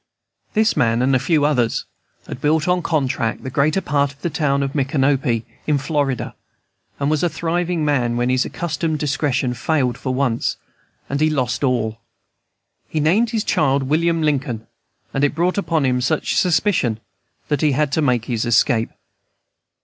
This man and a few others had built on contract the greater part of the town of Micanopy in Florida, and was a thriving man when his accustomed discretion failed for once, and he lost all. He named his child William Lincoln, and it brought upon him such suspicion that he had to make his escape.